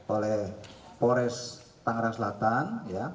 oleh pores tangerang selatan